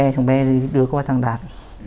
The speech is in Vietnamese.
thằng b đưa qua thằng đạt